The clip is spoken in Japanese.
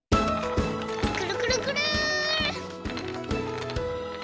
くるくるくる。